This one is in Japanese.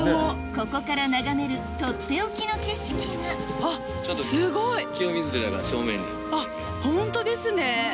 ここから眺めるとっておきの景色があっ本当ですね。